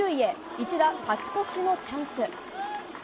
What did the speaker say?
一打勝ち越しのチャンス。